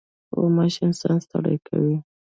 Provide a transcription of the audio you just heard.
غوماشه انسان ستړی کوي.